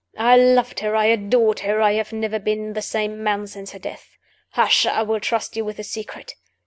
I loved her; I adored her; I have never been the same man since her death. Hush! I will trust you with a secret.